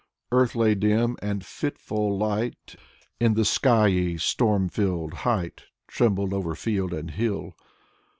Earth lay dim, and fitful light In the skyey, storm filled height Trembled over field and hill.